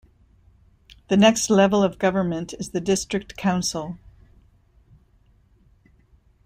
The next level of government is the district council.